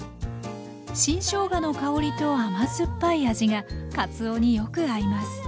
新しょうがの香りと甘酸っぱい味がかつおによく合います。